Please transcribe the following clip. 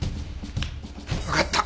わかった。